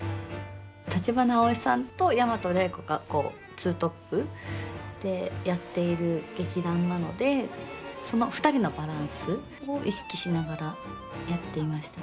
橘アオイさんと大和礼子がこうツートップでやっている劇団なのでその２人のバランスを意識しながらやっていました。